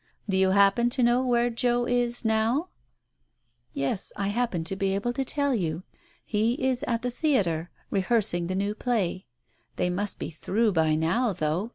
Do you happen to know where Joe is, now ?" "Yes, I happen to be able to tell you. He is at the theatre, rehearsing the new play. They must be through by now, though